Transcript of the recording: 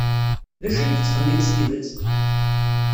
D acu ay yettxemmim s tidet?